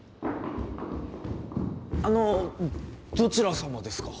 あのどちら様ですか？